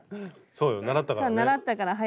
そうよ習ったからね。